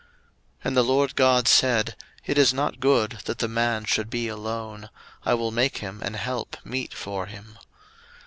01:002:018 And the LORD God said, It is not good that the man should be alone; I will make him an help meet for him.